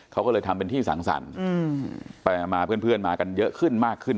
เขาก็เลยทำเป็นที่สังสรรค์ไปมาเพื่อนมากันเยอะขึ้นมากขึ้น